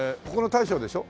大将でしょ。